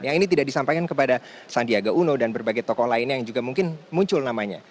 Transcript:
yang ini tidak disampaikan kepada sandiaga uno dan berbagai tokoh lainnya yang juga mungkin muncul namanya